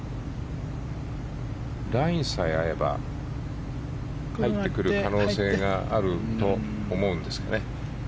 ラインさえ合えば入ってくる可能性があると思うんですけどね。